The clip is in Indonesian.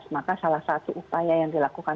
maka salah satu upaya yang dilakukan